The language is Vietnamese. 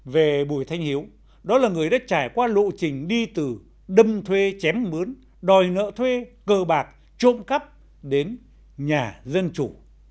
về bùi thanh hiếu đó là người đã trải qua lộ trình đi từ đâm thuê chém mướn đòi nợ thuê cờ bạc trộm cắp đến nhà dân chủ